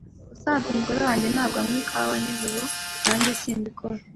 Ubusanzwe umugore wanjye ntabwo anywa ikawa nijoro. Nanjye simbikora.